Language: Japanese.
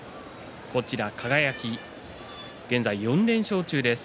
輝、現在４連勝中です。